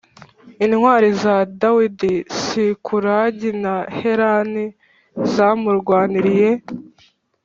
Intwari za Dawidi Sikulagi na Herani zamurwaniriye